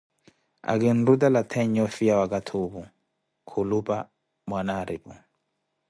Akiirutela theenya ofiya wakathi opu khulupa Mwanaripu.